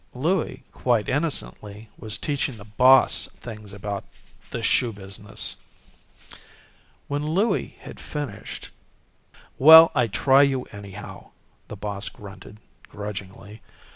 Louie, quite innocently, was teaching the boss things about the shoe business. When Louie had finished "Well, I try you, anyhow," the boss grunted, grudgingly.